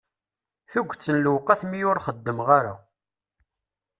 Tuget n lewqat mi ur xeddmeɣ ara.